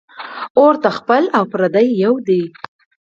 اور ته خپل او پردي یو دي